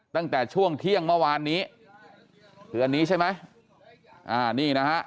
ตั้งแต่ช่วงเที่ยงเมื่อวานนี้คืออันนี้ใช่ไหมอ่านี่นะฮะ